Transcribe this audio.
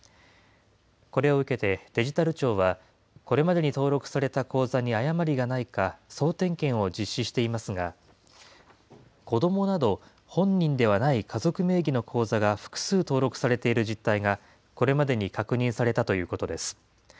これを受けて、デジタル庁はこれまでに登録された口座に誤りがないか、総点検を実施していますが、子どもなど本人ではない家族名義の口座が複数登録されている実態が、これまでに確認されたということです。